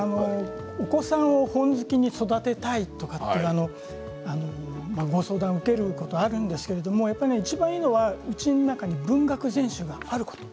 お子さんを本好きに育てたいとかご相談を受けることがあるんですけれど、いちばんいいのはうちの中に文学全集があること。